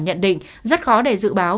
nhận định rất khó để dự báo